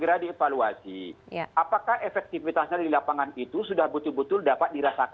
berarti mbak stephanie katakanlah harga harga saya harus juga berubah menjadi banyak